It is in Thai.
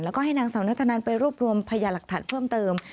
แล้วก็ให้นางสาวนัทนันไปรวบรวมพยาหลักฐานเพิ่มเติม